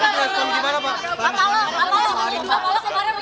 pak kalau pak prabowo sebenarnya mengatakan bergabung dengan pemerintah bukan prioritas